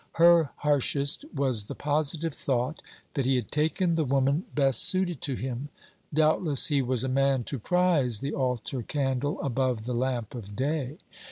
Her harshest, was the positive thought that he had taken the woman best suited to him. Doubtless, he was a man to prize the altar candle above the lamp of day.